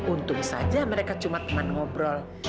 untung saja mereka cuma ngobrol